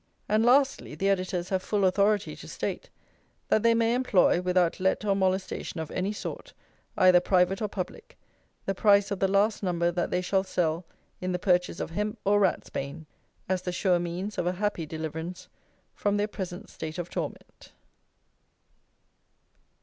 And, lastly, the editors have full "authority" to state, that they may employ, without let or molestation of any sort, either private or public, the price of the last number that they shall sell in the purchase of hemp or ratsbane, as the sure means of a happy deliverance from their present state of torment.